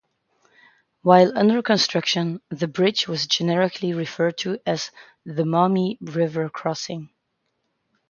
While under construction, the bridge was generically referred to as the "Maumee River Crossing".